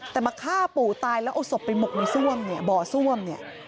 แต่มาฆ่าปู่ตายแล้วเอาศพไปหมกในบ่อซ่วม